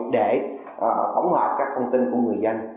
để phóng hợp các thông tin của người dân